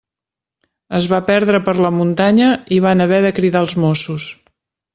Es va perdre per la muntanya i van haver de cridar els Mossos.